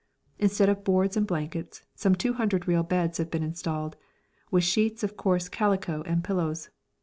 Instead of boards and blankets, some 200 real beds have been installed, with sheets of coarse calico and pillows.